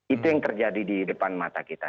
itu yang terjadi di depan mata kita